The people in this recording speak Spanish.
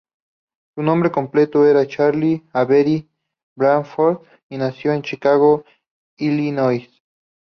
Su nombre completo era Charles Avery Bradford, y nació en Chicago, Illinois.